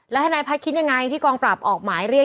ทนายพัฒน์คิดยังไงที่กองปราบออกหมายเรียก